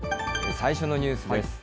最初のニュースです。